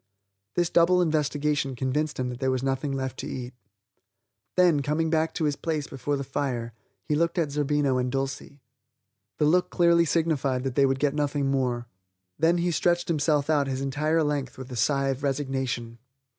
This double investigation convinced him that there was nothing left to eat. Then, coming back to his place before the fire, he looked at Zerbino and Dulcie. The look clearly signified that they would get nothing more; then he stretched himself out his entire length with a sigh of resignation.